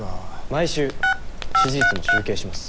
毎週支持率も集計します。